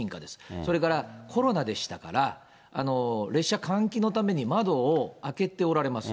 それから、コロナでしたから、列車、換気のために窓を開けておられます。